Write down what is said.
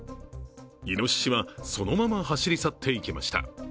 いのししはそのまま走り去っていきました。